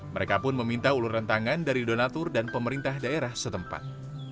mereka pun meminta uluran tangan dari donatur dan pemerintah daerah setempat